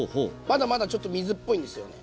まだまだちょっと水っぽいんですよね。